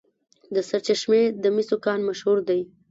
د سرچشمې د مسو کان مشهور دی.